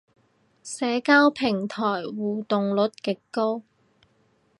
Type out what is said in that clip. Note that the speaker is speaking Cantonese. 社交平台互動率極高